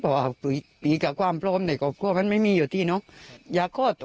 แต่พอไปกับความโปรดเนี่ยก็คือมันไม่มีอยู่ที่เนาะ